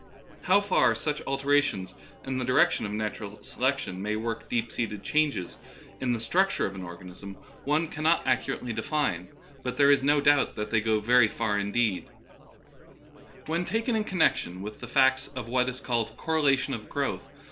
How far such alterations in the direc tion of natural selection may work deep seated changes in the structure of an organism one can Darwinism Verified. 17 not accurately define ; but there is no doubt that they go very far indeed, when taken in connec tion with the facts of what is called " correlation of growth."